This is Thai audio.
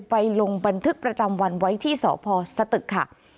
ไปลงบัณฑฤกษ์ประจำวันไว้ที่สภซศตึกค่ะ